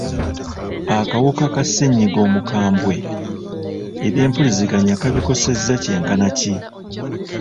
Akawuka ka ssenyiga omukambwe, ebyempuliziganya kabikosezza kyenkana ki?